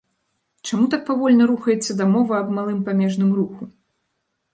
Чаму так павольна рухаецца дамова аб малым памежным руху?